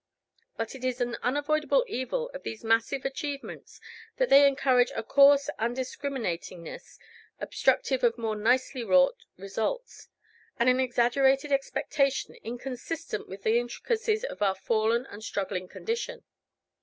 But it is an unavoidable evil of these massive achievements that they encourage a coarse undiscriminatingness obstructive of more nicely wrought results, and an exaggerated expectation inconsistent with the intricacies of our fallen and struggling condition.